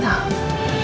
tidak ada dendam